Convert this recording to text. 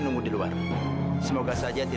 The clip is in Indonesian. saya nggak berpikir tahun ke depan ya dekat ini